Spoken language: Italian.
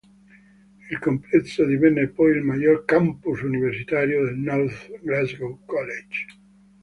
Il complesso divenne poi il maggior "campus" universitario del North Glasgow College.